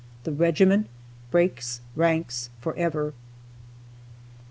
THE REGIMENT "BREAKS RANKS" FOREVER.